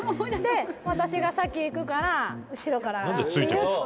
「私が先行くから後ろからっていって」